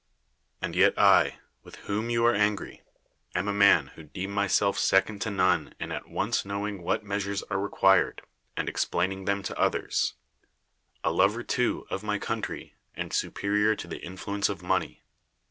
And yet I, with whom you are angry, am a man who deem myself second to none in at once knowing what measures are re quired, and explaining them to others; a lover too of my country, and superior to the influence of money.